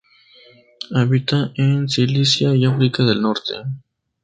Habita en Sicilia y África del Norte.